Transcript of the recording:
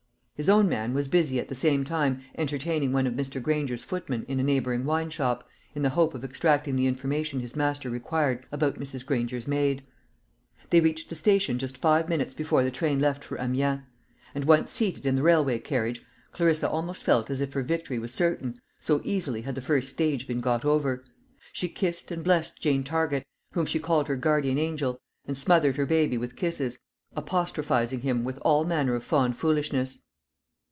His own man was busy at the same time entertaining one of Mr. Granger's footmen in a neighbouring wine shop, in the hope of extracting the information his master required about Mrs. Granger's maid. They reached the station just five minutes before the train left for Amiens; and once seated in the railway carriage, Clarissa almost felt as if her victory was certain, so easily had the first stage been got over. She kissed and blessed Jane Target, whom she called her guardian angel; and smothered her baby with kisses, apostrophising him with all manner of fond foolishness.